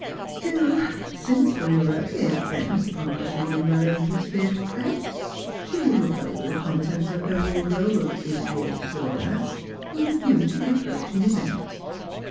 Still, since Philura appeared bent upon rushing in where angels fear to tread, she would look over the contents of her wardrobe of the year before last, with a view to the approach ing event.